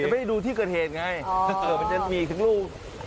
ไม่ได้ดูที่เกิดเหตุไงมันจะมีทั้งลูก